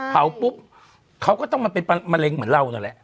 เผาปุ๊บเขาก็ต้องมาเป็นมะเร็งเหมือนเรานั่นแหละ